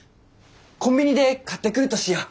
こんびにで買ってくるとしよう。